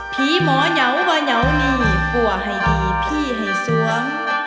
ผีหมอยาวบะยาวนี่ปั่วให้ดีพี่ให้สวง